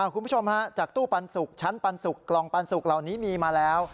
คุณผู้ชมฮะจากตู้ปันสุกชั้นปันสุกกล่องปันสุกเหล่านี้มีมาแล้ว